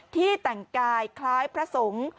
แต่งกายคล้ายพระสงฆ์